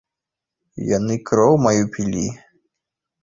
Яны кроў маю пілі!